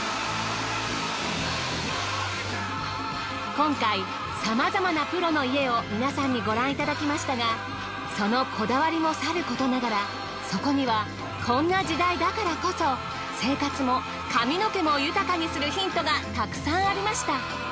今回さまざまなプロの家を皆さんにご覧いただきましたがそのこだわりもさることながらそこにはこんな時代だからこそ生活も髪の毛も豊かにするヒントがたくさんありました。